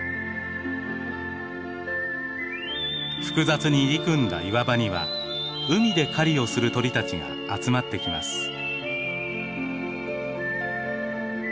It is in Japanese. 複雑に入り組んだ岩場には海で狩りをする鳥たちが集まってきます。